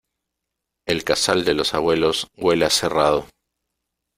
El casal de los abuelos huele a cerrado.